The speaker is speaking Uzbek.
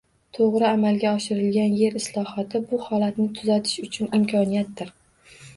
To‘g‘ri amalga oshirilgan yer islohoti bu holatni tuzatish uchun imkoniyatdir.